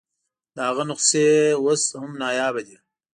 د هغه نسخې اوس هم نایابه دي.